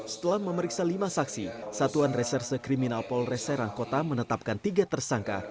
setelah memeriksa lima saksi satuan reserse kriminal polres serang kota menetapkan tiga tersangka